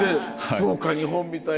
そうか日本みたいに。